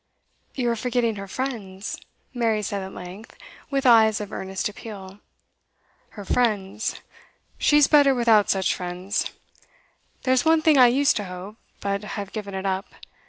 'You are forgetting her friends,' Mary said at length, with eyes of earnest appeal. 'Her friends? She's better without such friends. There's one thing I used to hope, but I've given it up.